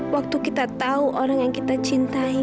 waktu kita tahu orang yang kita cintai